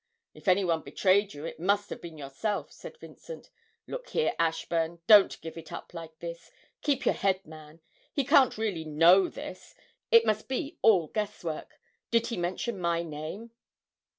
'If any one betrayed you, it must have been yourself!' said Vincent. 'Look here, Ashburn, don't give it up like this keep your head, man! He can't really know this, it must be all guesswork. Did he mention my name?'